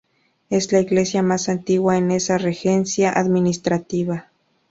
Es la iglesia más antigua en esa regencia administrativa.